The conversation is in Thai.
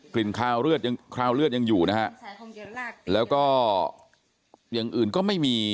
คราวเลือดยังคราวเลือดยังอยู่นะฮะแล้วก็อย่างอื่นก็ไม่มี